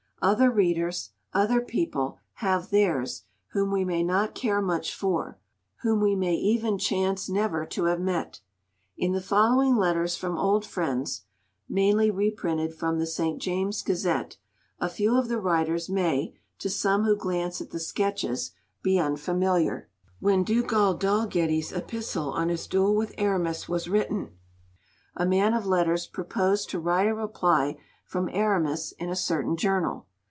Other readers, other people, have theirs, whom we may not care much for, whom we may even chance never to have met. In the following Letters from Old Friends (mainly reprinted from the "St. James's Gazette"), a few of the writers may, to some who glance at the sketches, be unfamiliar. When Dugald Dalgetty's epistle on his duel with Aramis was written, a man of letters proposed to write a reply from Aramis in a certain journal.